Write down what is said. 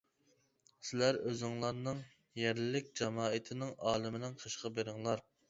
سىلەر ئۆزۈڭلارنىڭ يەرلىك جامائىتىنىڭ ئالىمىنىڭ قېشىغا بېرىڭلار.